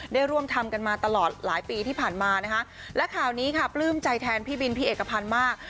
ได้ร่วมทำกันมาตลอดหลายปีที่ผ่านมานะคะและข่าวนี้ค่ะปลื้มใจแทนพี่บินพี่เอกพันธ์มาก